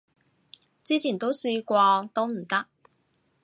之前都試過都唔得